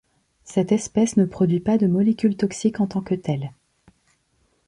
Cette espèce ne produit pas de molécules toxiques en tant que telle.